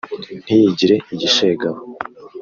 ntiyigire igishegabo